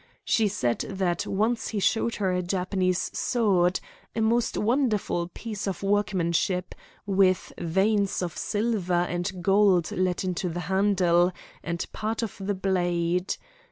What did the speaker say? She said that once he showed her a Japanese sword, a most wonderful piece of workmanship, with veins of silver and gold let into the handle and part of the blade.